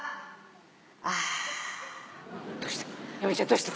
どうした？